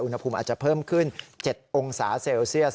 อุณหภูมิอาจจะเพิ่มขึ้น๗องศาเซลเซียส